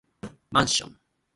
マンション